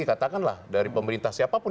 katakanlah dari pemerintah siapapun